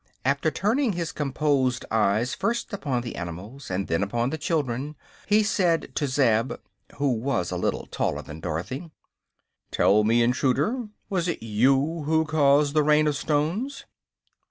After turning his composed eyes first upon the animals and then upon the children he said to Zeb, who was a little taller than Dorothy: "Tell me, intruder, was it you who caused the Rain of Stones?"